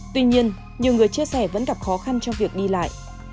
tuy nhiên nhiều người chia sẻ vẫn gặp khó khăn trong việc đi lại